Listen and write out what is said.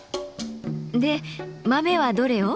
で豆はどれを？